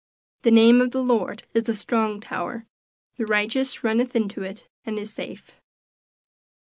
"The name of the Lord is a strong tower; the righteous runneth into it and is safe."